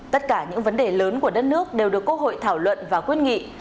tất cả những vấn đề lớn của đất nước đều được quốc hội thảo luận và quyết nghị